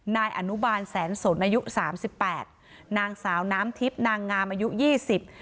นายอนุบาลแสนสนอายุสามสิบแปดนางสาวน้ำทิพย์นางงามอายุยี่สิบ